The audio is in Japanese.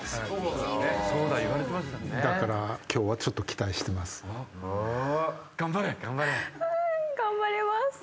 だから今日はちょっと期待してます。